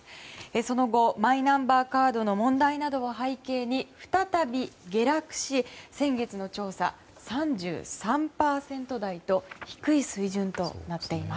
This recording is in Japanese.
その後、マイナンバーカードの問題などを背景に再び下落し、先月の調査３３％台と低い水準となっています。